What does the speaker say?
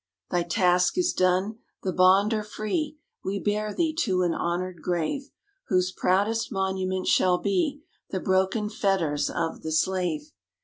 _ _Thy task is done; the bond are free: We bear thee to an honoured grave, Whose proudest monument shall be The broken fetters of the slave.